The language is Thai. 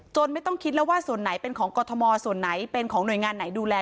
ไม่ต้องคิดแล้วว่าส่วนไหนเป็นของกรทมส่วนไหนเป็นของหน่วยงานไหนดูแล